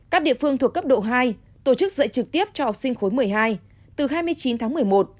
các địa phương thuộc cấp độ hai tổ chức dạy trực tiếp cho học sinh khối một mươi hai từ hai mươi chín tháng một mươi một